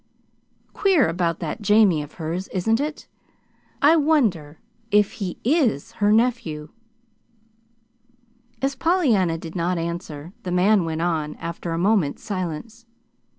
"Queer about that Jamie of hers, isn't it? I wonder if he IS her nephew." As Pollyanna did not answer, the man went on, after a moment's silence.